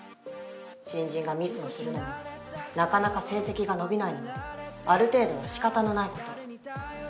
新人がミスをするのもなかなか成績が伸びないのもある程度はしかたのないこと。